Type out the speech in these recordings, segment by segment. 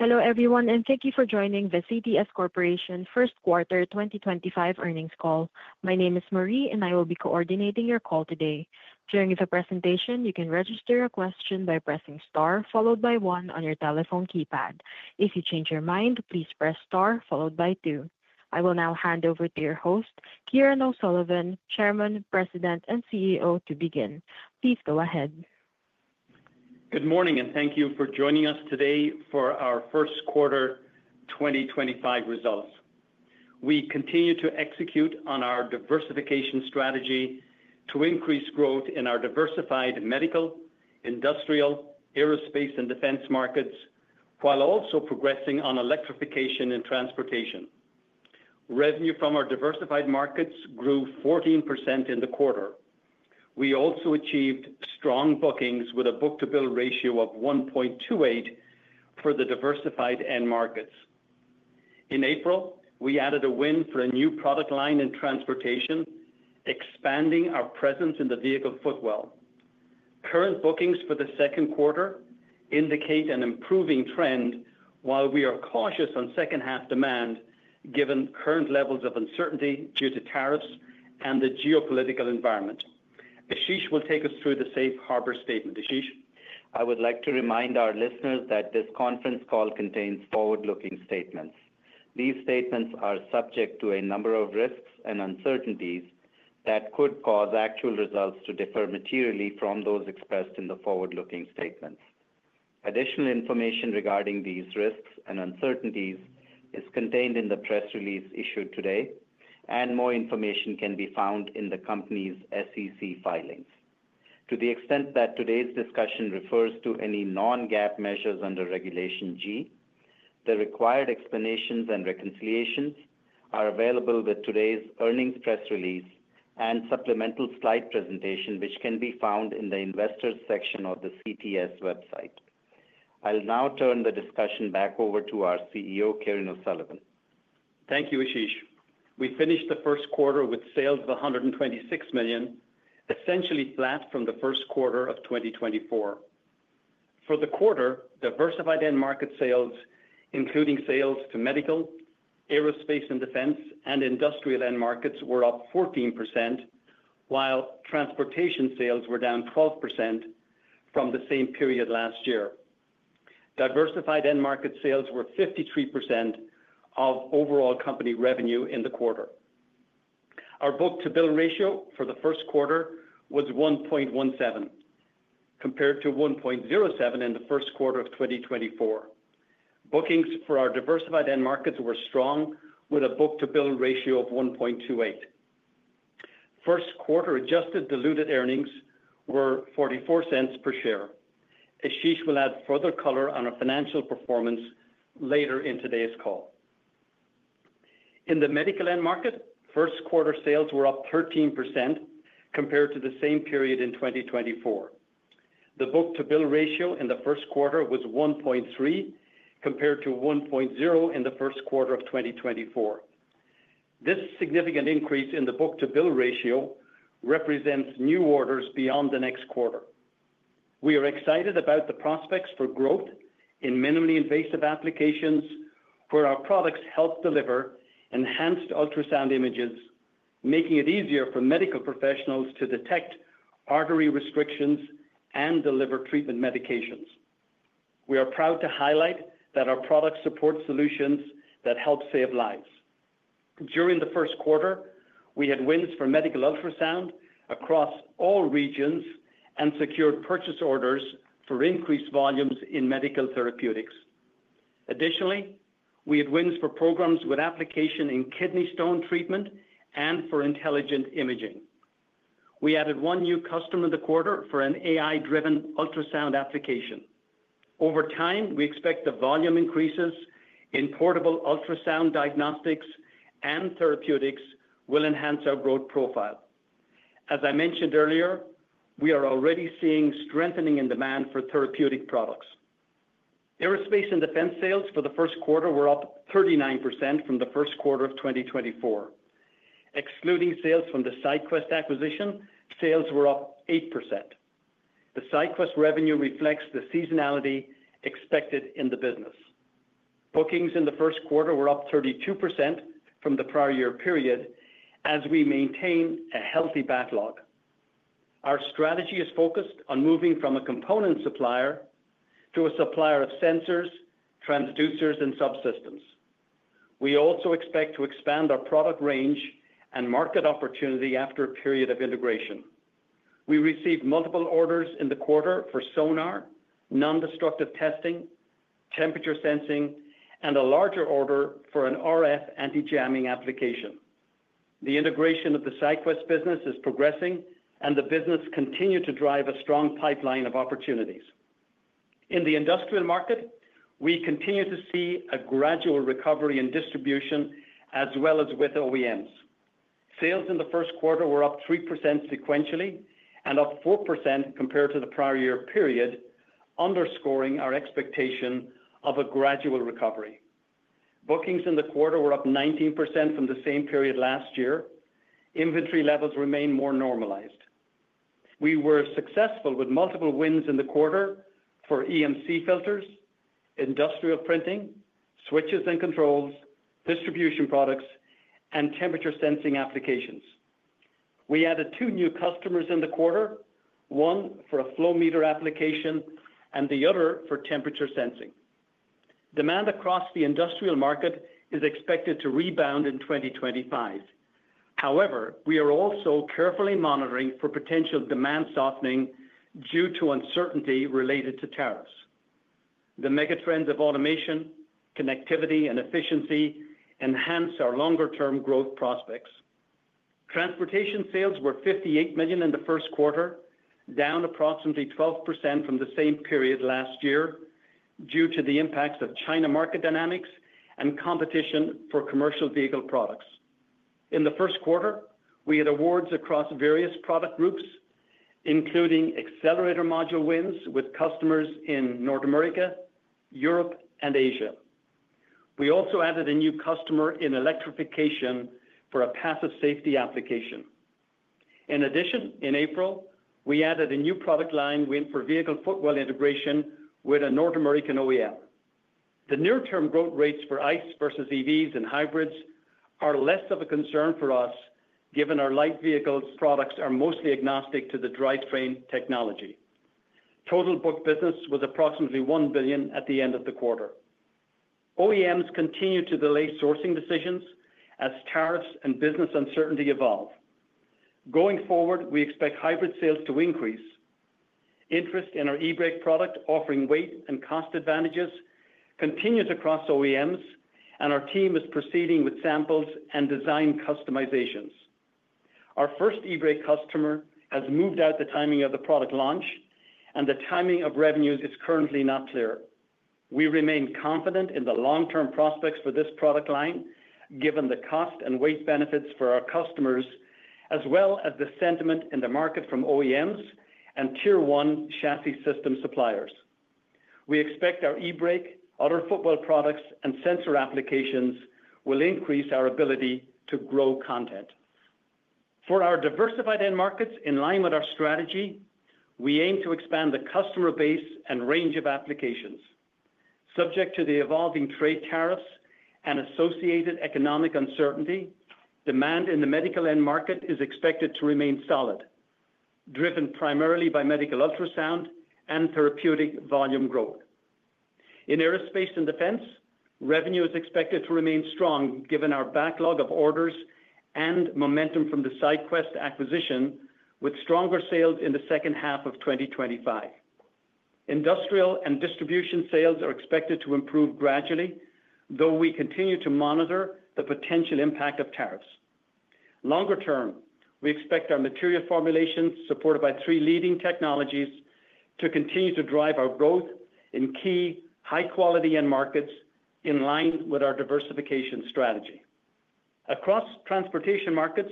Hello everyone and thank you for joining the CTS Corporation first quarter 2025 earnings call. My name is Marie and I will be coordinating your call today. During the presentation you can register a question by pressing STAR followed by one on your telephone keypad. If you change your mind, please press STAR followed by two. I will now hand over to your host, Kieran O'Sullivan, Chairman, President and CEO to begin. Please go ahead. Good morning and thank you for joining us today. For our first quarter 2025 results, we continue to execute on our diversification strategy to increase growth in our diversified medical, industrial, aerospace and defense markets while also progressing on electrification and transportation. Revenue from our diversified markets grew 14% in the quarter. We also achieved strong bookings with a book to bill ratio of 1.28 for the diversified end markets. In April, we added a win for a new product line in transportation, expanding our presence in the vehicle footwell. Current bookings for the second quarter indicate an improving trend while we are cautious on second half demand given current levels of uncertainty due to tariffs and the geopolitical environment. Ashish will take us through the Safe Harbor Statement. Ashish, I would like to remind our listeners that this conference call contains forward looking statements. These statements are subject to a number of risks and uncertainties that could cause actual results to differ materially from those expressed in the forward looking statements. Additional information regarding these risks and uncertainties is contained in the press release issued today and more information can be found in the company's SEC filings. To the extent that today's discussion refers to any non GAAP measures under Regulation G, the required explanations and reconciliations are available with today's earnings press release and supplemental slide presentation which can be found in the Investors section of the CTS website. I'll now turn the discussion back over to our CEO Kieran O'Sullivan. Thank you, Ashish. We finished the first quarter with sales of $126 million, essentially flat from the first quarter of 2024. For the quarter, diversified end market sales, including sales to medical, aerospace and defense, and industrial end markets, were up 14% while transportation sales were down 12% from the same period last year. Diversified end market sales were 53% of overall company revenue in the quarter. Our book to bill ratio for the first quarter was 1.17 compared to 1.07 in the first quarter of 2024. Bookings for our diversified end markets were strong with a book to bill ratio of 1.28. First quarter adjusted diluted earnings were $0.44 per share. Ashish will add further color on our financial performance later in today's call. In the medical end market, first quarter sales were up 13% compared to the same period in 2024. The book to bill ratio in the first quarter was 1.3 compared to 1.0 in the first quarter of 2024. This significant increase in the book to bill ratio represents new orders beyond the next quarter. We are excited about the prospects for growth in minimally invasive applications where our products help deliver enhanced ultrasound images, making it easier for medical professionals to detect artery restrictions and deliver treatment medications. We are proud to highlight that our products support solutions that help save lives. During the first quarter, we had wins for medical ultrasound across all regions and secured purchase orders for increased volumes in medical therapeutics. Additionally, we had wins for programs with application in kidney stone treatment and for intelligent imaging. We added one new customer the quarter for an AI driven ultrasound application. Over time, we expect the volume increases in portable ultrasound diagnostics and therapeutics will enhance our growth profile. As I mentioned earlier, we are already seeing strengthening in demand for therapeutic products. Aerospace and defense sales for the first quarter were up 39% from the first quarter of 2024. Excluding sales from the SyQwest acquisition, sales were up 8%. The SyQwest revenue reflects the seasonality expected in the business. Bookings in the first quarter were up 32% from the prior year period. As we maintain a healthy backlog, our strategy is focused on moving from a component supplier to a supplier of sensors, transducers and subsystems. We also expect to expand our product range and market opportunity after a period of integration. We received multiple orders in the quarter for sonar, non destructive testing, temperature sensing and a larger order for an RF anti jamming application. The integration of the SyQwest business is progressing and the business continue to drive a strong pipeline of opportunities in the industrial market. We continue to see a gradual recovery in distribution as well as with OEMs. Sales in the first quarter were up 3% sequentially and up 4% compared to the prior year period, underscoring our expectation of a gradual recovery. Bookings in the quarter were up 19% from the same period last year. Inventory levels remain more normalized. We were successful with multiple wins in the quarter for EMC filters, industrial printing, switches and controls, distribution products and temperature sensing applications. We added two new customers in the quarter, one for a flow meter application and the other for temperature sensing. Demand across the industrial market is expected to rebound in 2025. However, we are also carefully monitoring for potential demand softening due to uncertainty related to tariffs. The megatrends of automation, connectivity and efficiency enhance our longer term growth prospects. Transportation sales were $58 million in the first quarter, down approximately 12% from the same period last year due to the impacts of China market dynamics and competition for commercial vehicle products. In the first quarter we had awards across various product groups including accelerator module wins with customers in North America, Europe and Asia. We also added a new customer in electrification for a passive safety application. In addition, in April we added a new product line for vehicle footwell integration with a North American OEM. The near term growth rates for ICE versus EVs and hybrids are less of a concern for us given our light vehicles products are mostly agnostic to the drivetrain technology. Total book business was approximately $1 billion at the end of the quarter. OEMs continue to delay sourcing decisions as tariffs and business uncertainty evolve. Going forward, we expect hybrid sales to increase. Interest in our EBrake product offering weight and cost advantages continues across OEMs and our team is proceeding with samples and design customizations. Our first EBrake customer has moved out. The timing of the product launch and the timing of revenues is currently not clear. We remain confident in the long term prospects for this product line given the cost and weight benefits for our customers as well as the sentiment in the market from OEMs and Tier 1 chassis system suppliers. We expect our EBrake, other footwell products and sensor applications will increase our ability to grow content for our diversified end markets. In line with our strategy, we aim to expand the customer base and range of applications subject to the evolving trade tariffs and associated economic uncertainty. Demand in the medical end market is expected to remain solid, driven primarily by medical, ultrasound and therapeutic volume. Growth in aerospace and defense revenue is expected to remain strong given our backlog of orders and momentum from the SyQwest acquisition. With stronger sales in the second half of 2025, industrial and distribution sales are expected to improve gradually, though we continue to monitor the potential impact of tariffs. Longer term, we expect our material formulation, supported by three leading technologies, to continue to drive our growth in key high quality end markets. In line with our diversification strategy across transportation markets,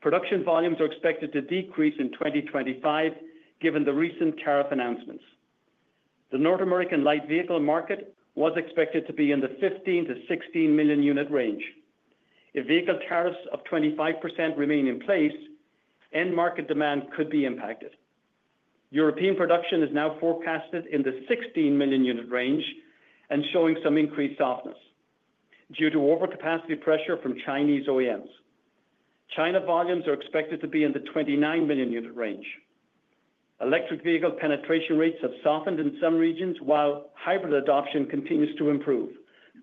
production volumes are expected to decrease in 2025 given the recent tariff announcements. The North American light vehicle market was expected to be in the 15-16 million unit range. If vehicle tariffs of 25% remain in place, end market demand could be impacted. European production is now forecasted in the 16 million unit range and showing some increased softness due to overcapacity pressure from Chinese OEMs. China volumes are expected to be in the 29 million unit range. Electric vehicle penetration rates have softened in some regions while hybrid adoption continues to improve.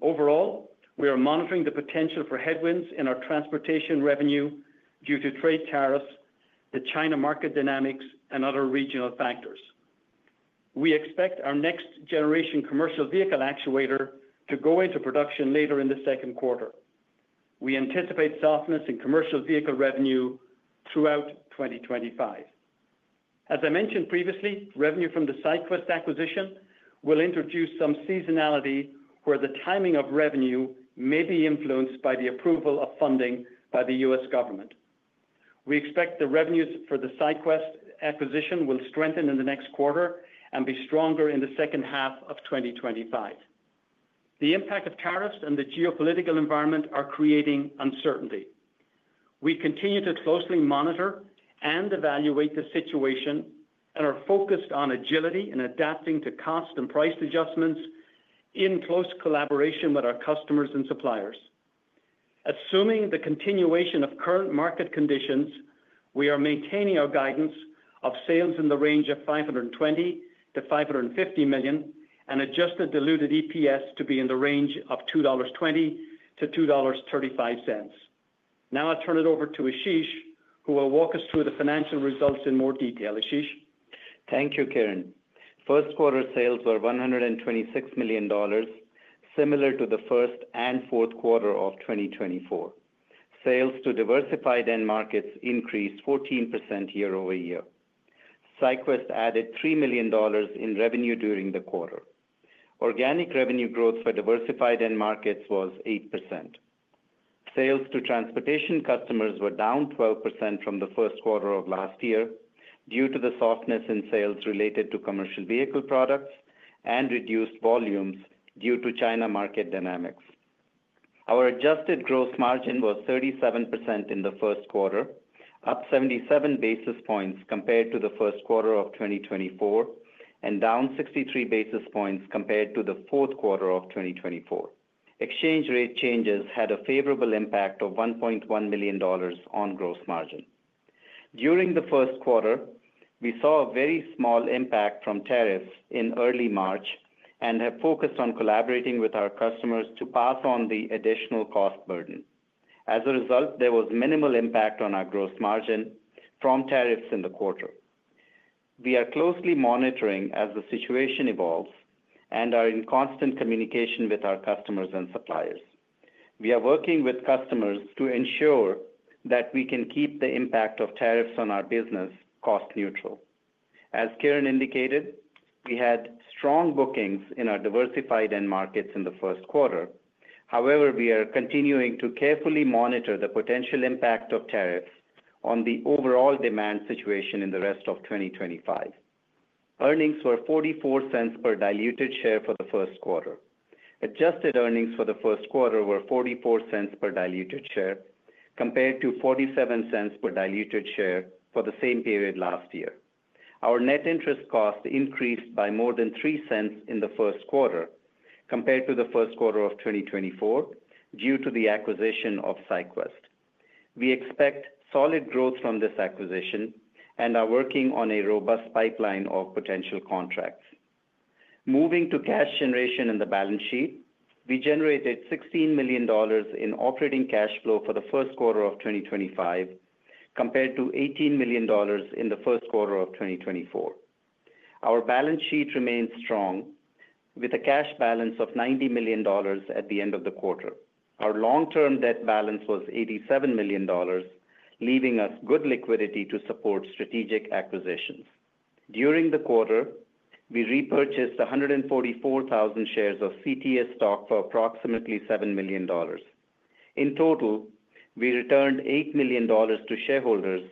Overall, we are monitoring the potential for headwinds in our transportation revenue due to trade tariffs, the China market dynamics and other regional factors. We expect our next generation commercial vehicle actuator to go into production later in the second quarter. We anticipate softness in commercial vehicle revenue throughout 2025. As I mentioned previously, revenue from the SyQwest acquisition will introduce some seasonality where the timing of revenue may be influenced by the approval of funding by the U.S. government. We expect the revenues for the SyQwest acquisition will strengthen in the next quarter and be stronger in the second half of 2025. The impact of tariffs and the geopolitical environment are creating uncertainty. We continue to closely monitor and evaluate the situation and are focused on agility and adapting to cost and price adjustments in close collaboration with our customers and suppliers. Assuming the continuation of current market conditions, we are maintaining our guidance of sales in the range of $520 million-$550 million and adjusted diluted EPS to be in the range of $2.20-$2.35. Now I'll turn it over to Ashish who will walk us through the financial results in more detail. Ashish, thank you, Kieran. First quarter sales were $126 million. Similar to the first and fourth quarter of 2024. Sales to diversified end markets increased 14% year over year. SyQwest added $3 million in revenue during the quarter. Organic revenue growth for diversified end markets was 8%. Sales to transportation customers were down 12% from the first quarter of last year due to the softness in sales related to commercial vehicle products and reduced volumes due to China market dynamics. Our adjusted gross margin was 37% in the first quarter, up 77 basis points compared to the first quarter of 2024 and down 63 basis points compared to the fourth quarter of 2024. Exchange rate changes had a favorable impact of $1.1 million on gross margin during the first quarter. We saw a very small impact from tariffs in early March and have focused on collaborating with our customers to pass on the additional cost burden. As a result, there was minimal impact on our gross margin from tariffs in the quarter. We are closely monitoring as the situation evolves and are in constant communication with our customers and suppliers. We are working with customers to ensure that we can keep the impact of tariffs on our business cost neutral. As Kieran indicated, we had strong bookings in our diversified end markets in the first quarter. However, we are continuing to carefully monitor the potential impact of tariffs on the overall demand situation in the rest of 2025. Earnings were $0.44 per diluted share for the first quarter. Adjusted earnings for the first quarter were $0.44 per diluted share compared to $0.47 per diluted share for the same period last year. Our net interest cost increased by more than $0.03 in the first quarter compared to the first quarter of 2024 due to the acquisition of SyQwest. We expect solid growth from this acquisition and are working on a robust pipeline of potential contracts. Moving to cash generation in the balance sheet, we generated $16 million in operating cash flow for the first quarter of 2025 compared to $18 million in the first quarter of 2024. Our balance sheet remains strong with a cash balance of $90 million. At the end of the quarter, our long term debt balance was $87 million, leaving us good liquidity to support strategic acquisitions. During the quarter, we repurchased 144,000 shares of CTS stock for approximately $7 million. In total, we returned $8 million to shareholders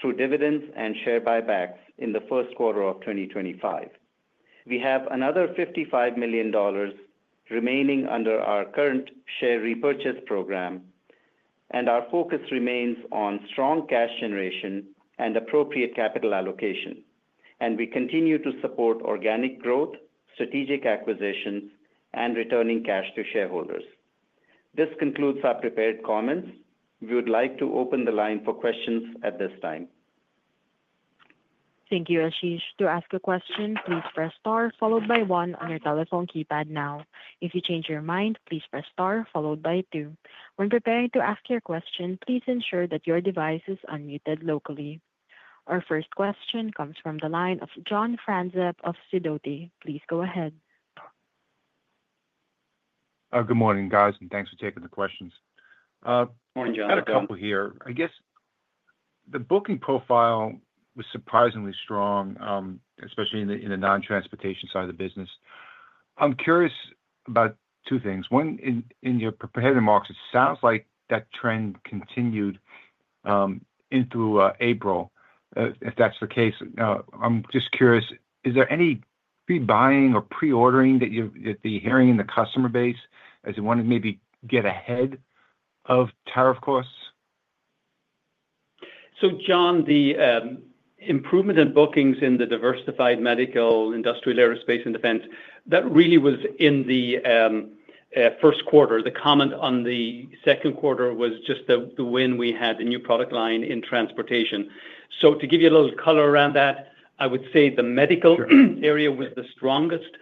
through dividends and share buybacks in the first quarter of 2025. We have another $55 million remaining under our current share repurchase program and our focus remains on strong cash generation and appropriate capital allocation and we continue to support organic growth, strategic acquisitions and returning cash to shareholders. This concludes our prepared comments. We would like to open the line for questions at this time. Thank you. Ashish, to ask a question, please press STAR followed by one on your telephone keypad. Now if you change your mind, please press STAR followed by two. When preparing to ask your question, please ensure that your device is unmuted locally. Our first question comes from the line of John Franzreb of Sidoti. Please go ahead. Good morning guys and thanks for taking the questions. Morning John. Got a couple here. I guess the booking profile was surprisingly strong, especially in the non transportation side of the business. I'm curious about two things. One, in your prepared remarks it sounds like that trend continued into April. If that's the case, I'm just curious, is there any re buying or pre ordering that you're hearing in the customer base as you want to maybe get ahead of tariff costs? John, the improvement in bookings in the diversified medical, industrial, aerospace and defense, that really was in the first quarter. The comment on the second quarter was just the win. We had the new product line in transportation. To give you a little color around that, I would say the medical area was the strongest.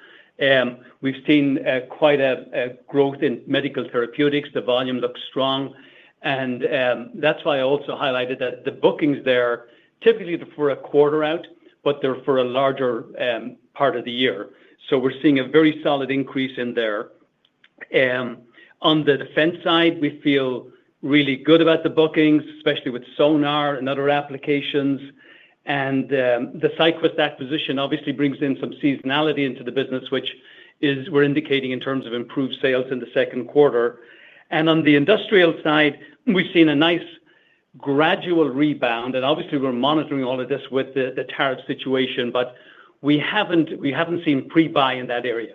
We've seen quite a growth in medical therapeutics. The volume looks strong and that's why I also highlighted that the bookings there are typically for a quarter out, but they're for a larger part of the year. We're seeing a very solid increase in there. On the defense side, we feel really good about the bookings, especially with sonar and other applications. The SyQwest acquisition obviously brings in some seasonality into the business, which is what we're indicating in terms of improved sales in the second quarter. On the industrial side we've seen a nice gradual rebound and obviously we're monitoring all of this with the tariff situation, but we haven't seen pre buy in that area.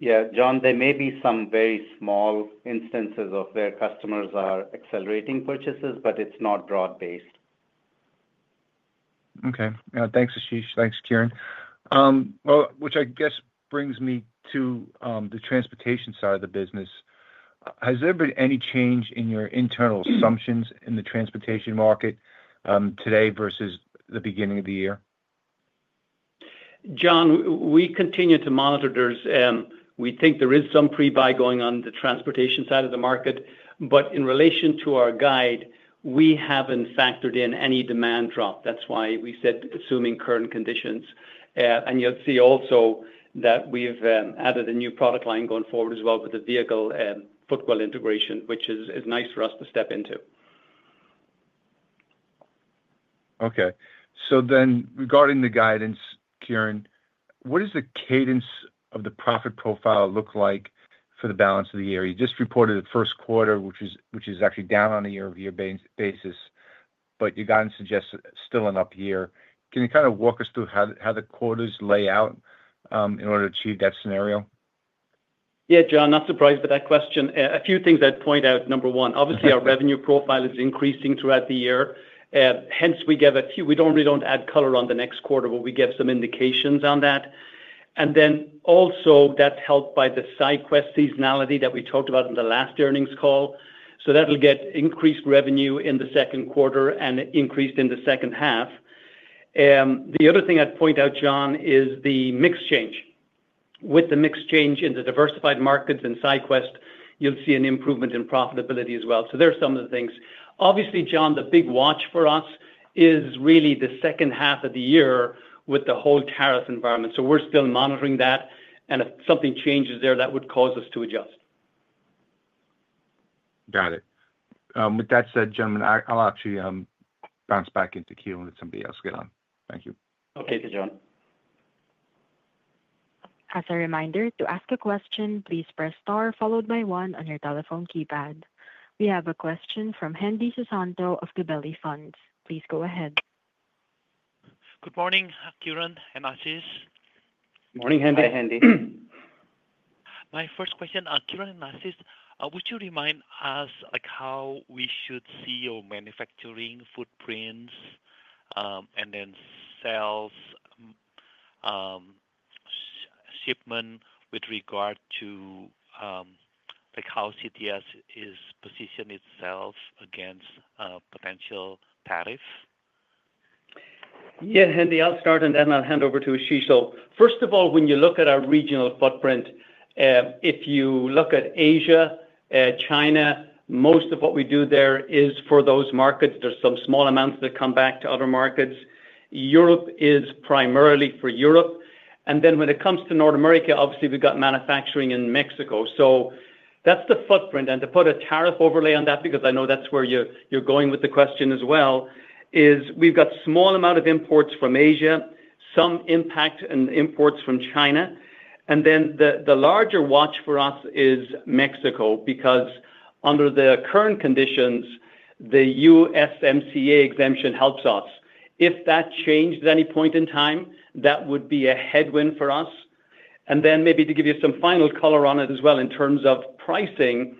Yeah, John, there may be some very small instances of where customers are accelerating purchases, but it's not broad based. Okay. Thanks, Ashish. Thanks, Kieran. Which I guess brings me to the transportation side of the business. Has there been any change in your internal assumptions in the transportation market today versus the beginning of the year? John? We continue to monitor, we think there is some pre buy going on the transportation side of the market, but in relation to our guide, we haven't factored in any demand drop. That is why we said assuming current conditions. You will see also that we have added a new product line going forward as well with the vehicle footwell integration, which is nice for us to step into. Okay, so regarding the guidance, Kieran, what does the cadence of the profit profile look like for the balance of the year? You just reported the first quarter, which is actually down on a year over year basis, but your guidance suggests still an up year. Can you kind of walk us through how the quarters lay out in order to achieve that scenario? Yeah, John, not surprised by that question. A few things I'd point out. Number one, obviously our revenue profile is increasing throughout the year. Hence we give a few, we really don't add color on the next quarter, but we give some indications on that. That is also helped by the SyQwest seasonality that we talked about in the last earnings call. That will get increased revenue in the second quarter and increased in the second half. The other thing I'd point out, John, is the mix change. With the mix change in the diversified markets in SyQwest you'll see an improvement in profitability as well. Those are some of the things. Obviously, John, the big watch for us is really the second half of the year with the whole tariff environment. We are still monitoring that and if something changes there that would cause us to adjust. Got it. With that said, gentleman, I'll actually bounce back into queue and let somebody else get on. Thank you. Okay, John. As a reminder to ask a question, please press star followed by one on your telephone keypad. We have a question from Hendy Susanto of Gabelli Funds. Please go ahead. Good morning Kieran and Ashish. Morning Hendy. Hendy, my first question, Kieran and Ashish, would you remind us like how we should see your manufacturing footprints and then. Sales. Shipment with regard to how CTS is positioned itself against potential tariffs. Yeah, Hendy, I'll start and then I'll hand over to Ashish. First of all, when you look at our regional footprint, if you look at Asia, China, most of what we do there is for those markets, there's some small amounts that come back to other markets. Europe is primarily for Europe. When it comes to North America, obviously we've got manufacturing in Mexico. That's the footprint. To put a tariff overlay on that, because I know that's where you're going with the question as well, we've got a small amount of imports from Asia, some impact and imports from China, and then the larger watch for us is Mexico because under the current conditions, the USMCA exemption helps us. If that changed at any point in time, that would be a headwind for us. Maybe to give you some final color on it as well, in terms of pricing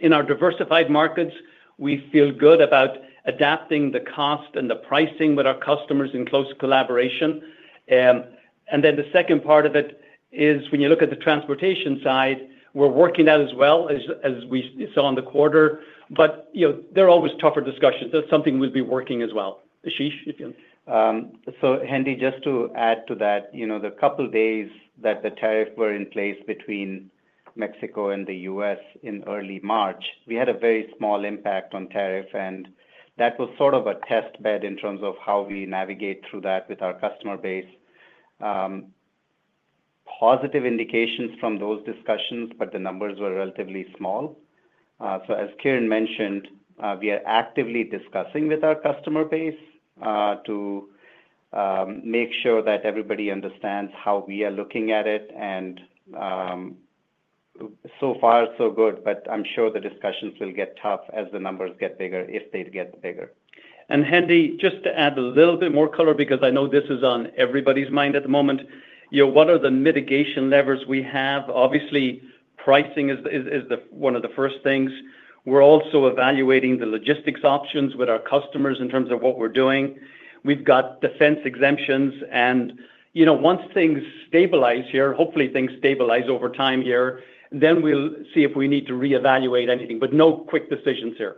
in our diversified markets, we feel good about adapting the cost and the pricing with our customers in close collaboration. The second part of it is when you look at the transportation side, we're working that as well as we saw in the quarter, but they're always tougher discussions. That's something we'll be working as well, Ashish. Hendy, just to add to that, you know, the couple days that the tariff were in place between Mexico and the U.S. in early March, we had a very small impact on tariff and that was sort of a test bed in terms of how we navigate through that with our customer base. Positive indications from those discussions, but the numbers were relatively small. As Kieran mentioned, we are actively discussing with our customer base to make sure that everybody understands how we are looking at it. So far so good. I'm sure the discussions will get tough as the numbers get bigger, if they get bigger. Hendy, just to add a little bit more color because I know this is on everybody's mind at the moment, what are the mitigation levers we have? Obviously pricing is one of the first things. We're also evaluating the logistics options with our customers in terms of what we're doing, we've got defense exemptions and, you know, once things stabilize here, hopefully things stabilize over time here, then we'll see if we need to reevaluate anything. No quick decisions here.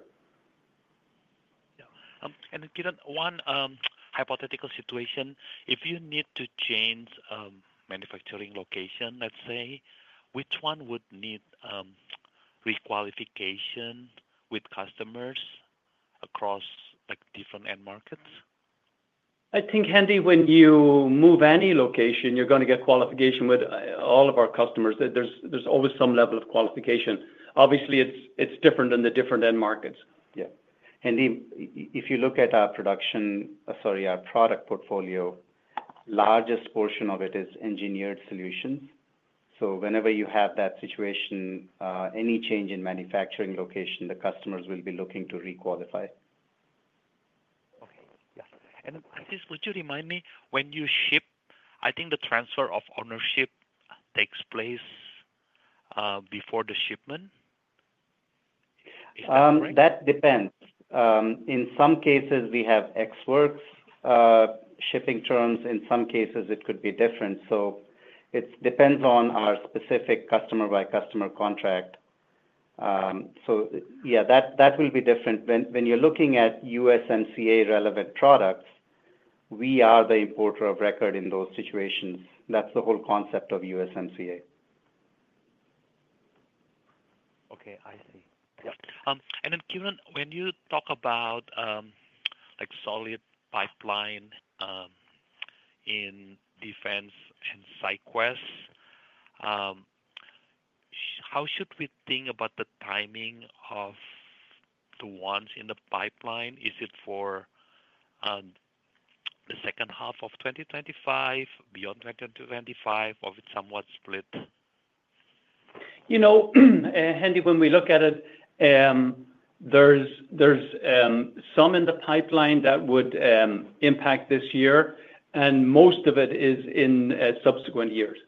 Kieran, one hypothetical situation. If you need to change manufacturing location, let's say which one would need requalification with customers across like different end markets? I think Hendy, when you move any location you're going to get qualification. With all of our customers there's always some level of qualification. Obviously it's different in the different end markets. Yeah, Andy, if you look at our production, sorry our product portfolio, largest portion of it is engineered solutions. Whenever you have that situation, any change in manufacturing location, the customers will be looking to requalify. Okay. Yeah. Would you remind me when you ship, I think the transfer of ownership takes place before the shipment. That depends on. In some cases we have ex works shipping terms. In some cases it could be different. It depends on our specific customer by customer contract. Yeah, that will be different. When you're looking at USMCA relevant products, we are the importer of record in those situations. That is the whole concept of USMCA. Okay, I see. Kieran, when you talk about like solid pipeline in Defense and SyQwest, how should we think about the timing of the ones in the pipeline? Is it for the second half of 2025, beyond 2025 or with somewhat split. You know, Hendy, when we look at it, there's some in the pipeline that would impact this year and most of it is in subsequent years.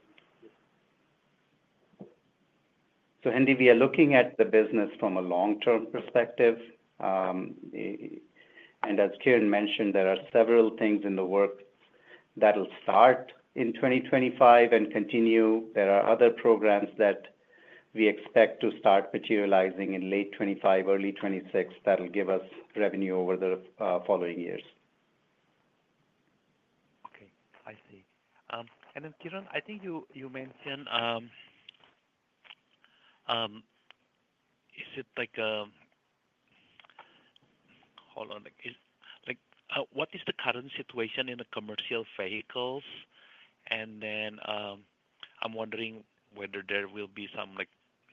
Hendy, we are looking at the business from a long term perspective. As Kieran mentioned, there are several things in the work that'll start in 2025 and continue. There are other programs that we expect to start materializing in late 2025, early 2026 that will give us revenue over the following years. Okay, I see. Kieran, I think you mentioned, is it like, hold on, what is the current situation in the commercial vehicles? I am wondering whether there will be some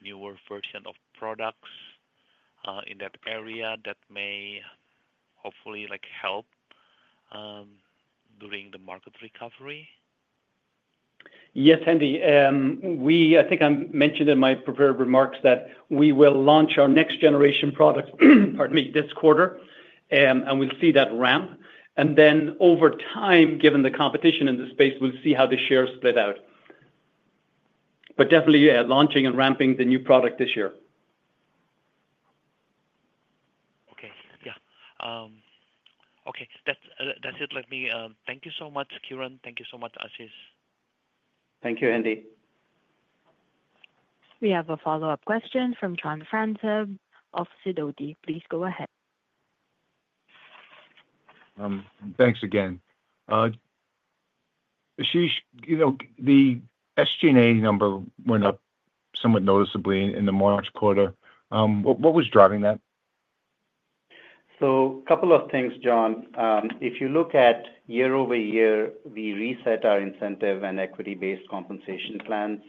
newer version of products in that area that may hopefully help during the market recovery. Yes, Andy, I think I mentioned in my prepared remarks that we will launch our next generation product this quarter and we'll see that ramp. Over time, given the competition in the space, we'll see how the shares split out. Definitely launching and ramping the new product this year. Okay. Yeah. Okay, that's it. Let me thank you so much, Kieran. Thank you so much, Ashish. Thank you, Andy. We have a follow up question from John Franzreb, of Sidoti Please go ahead. Thanks again, Ashish. You know the SGA number went up somewhat noticeably in the March quarter. What was driving that? A couple of things, John. If you look at year over year, we reset our incentive and equity-based compensation plans.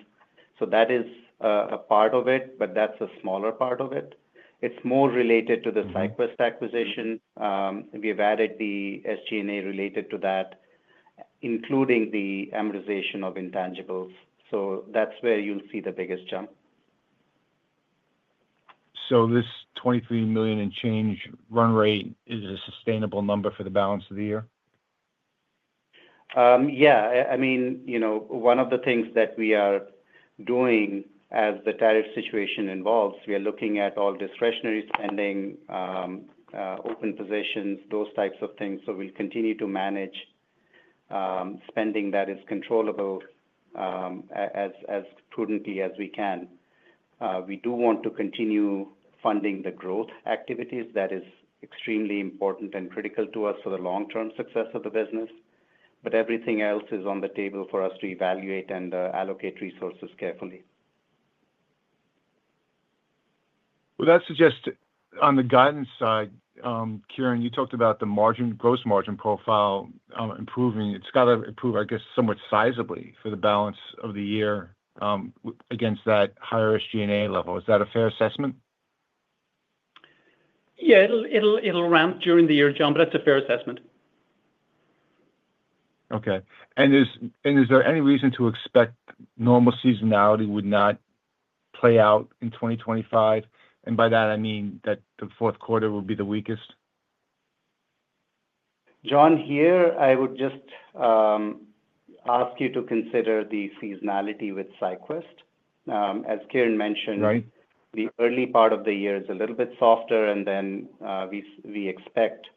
That is a part of it, but that's a smaller part of it. It's more related to the SyQwest acquisition. We have added the SG&A related to that, including the amortization of intangibles. That's where you'll see the biggest jump. Is this $23 million and change run rate a sustainable number for the balance of the year? Yeah, I mean, you know one of the things that we are doing as the tariff situation evolves, we are looking at all discretionary spending, open positions, those types of things. We will continue to manage spending that is controllable as prudently as we can. We do want to continue funding the growth activities, that is extremely important and critical to us for the long term success of the business. Everything else is on the table for us to evaluate and allocate resources carefully. That suggests on the guidance side, Kieran, you talked about the margin, gross margin profile improving. It's got to improve I guess somewhat sizably for the balance of the year against that higher SG and A level. Is that a fair assessment? Yeah, it'll ramp during the year, John, but that's a fair assessment. Okay. Is there any reason to expect normal seasonality would not play out in 2025? By that I mean that the fourth quarter will be the weakest. John, here I would just ask you to consider the seasonality with SyQwest. As Kieran mentioned, the early part of the year is a little bit softer and then we expect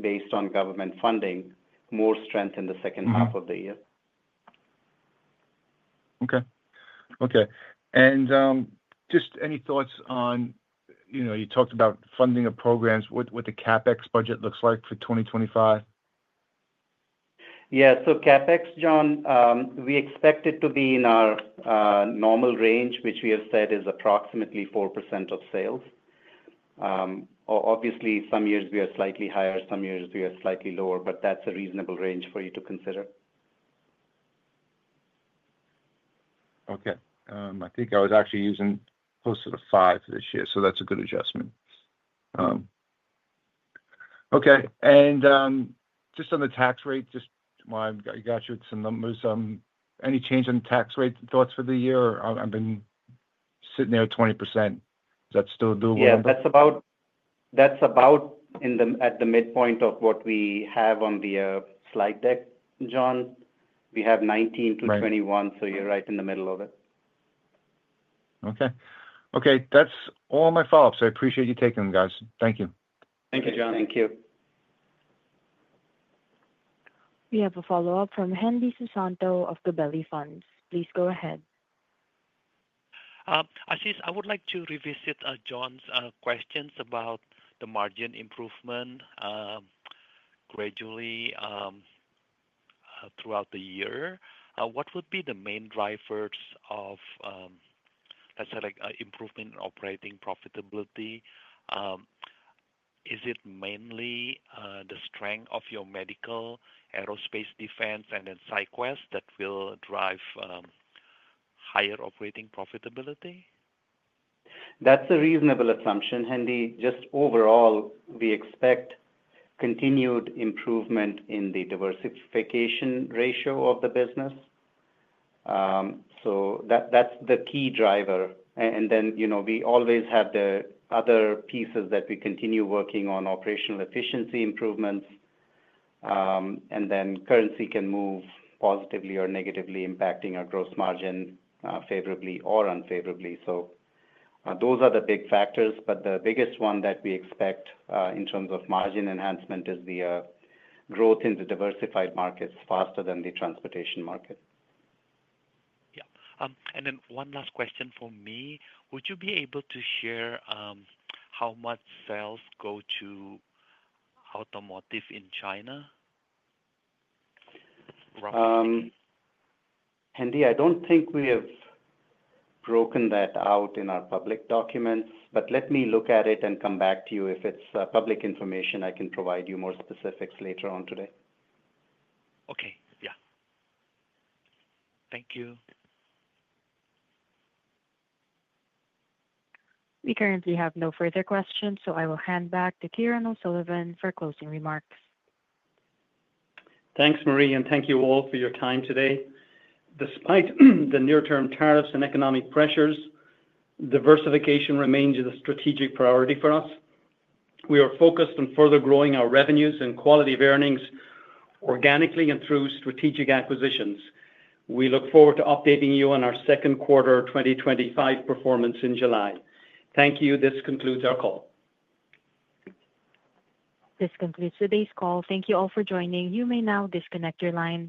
based on government funding more strength in the second half of the year. Okay. Okay. Any thoughts on, you know, you talked about funding of programs, what the CapEx budget looks like for 2025? Yeah. CapEx, John, we expect it to be in our normal range which we have said is approximately 4% of sales. Obviously some years we are slightly higher, some years we are slightly lower. That's a reasonable range for you to consider. Okay. I think I was actually using closer to five this year, so that's a good adjustment. Okay. Just on the tax rate, just got you some numbers. Any change in tax rate thoughts for the year? I've been sitting there. 20%. That's still doable. Yeah, that's about. That's about in the. At the midpoint of what we have on the slide deck, John, we have 19-21. So you're right in the middle of it. Okay. Okay. That's all my follow ups. I appreciate you taking them, guys. Thank you. Thank you, John. Thank you. We have a follow up from Hendy Susanto of Gabelli Funds. Please go ahead. Ashish, I would like to revisit John's questions about the margin improvement gradually throughout the year. What would be the main drivers of, let's say like improvement in operating profitability? Is it mainly the strength of your medical, aerospace, defense, and then SyQwest that will drive higher operating profitability? That's a reasonable assumption, Hendy. Just overall, we expect continued improvement in the diversification ratio of the business. That's the key driver. We always have the other pieces that we continue working on: operational efficiency improvements, and then currency can move positively or negatively, impacting our gross margin favorably or unfavorably. Those are the big factors, but the biggest one that we expect in terms of margin enhancement is the growth in the diversified markets faster than the transportation market. Yeah. One last question for me. Would you be able to share how much sales go to automotive in China? Hendi? I don't think we have broken that out in our public documents, but let me look at it and come back to you. If it's public information, I can provide you more specifics later on today. Okay? Yeah. Thank you. We currently have no further questions, so I will hand back to Kieran O'Sullivan for closing remarks. Thanks, Marie. Thank you all for your time today. Despite the near term tariffs and economic pressures, diversification remains the strategic priority for us. We are focused on further growing our revenues and quality of earnings organically and through strategic acquisitions. We look forward to updating you on our second quarter 2025 performance in July. Thank you. This concludes our call. This concludes today's call. Thank you all for joining. You may now disconnect your lines.